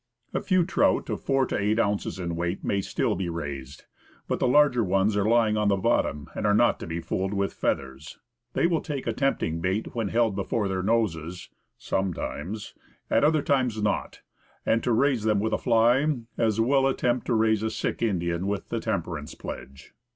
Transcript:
A few trout of four to eight ounces in weight may still be raised, but the larger ones are lying on the bottom, and are not to be fooled with feathers. They will take a tempting bait when held before their noses sometimes; at other times, not. As to raising them with a fly as well attempt to raise a sick Indian with the temperance pledge.